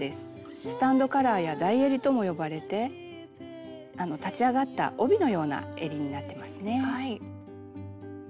「スタンドカラー」や「台えり」とも呼ばれて立ち上がった帯のようなえりになってますね。